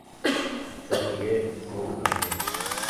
San Miguel y San Raphael.